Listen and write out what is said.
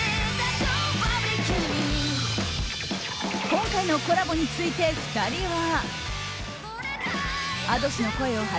今回のコラボについて２人は。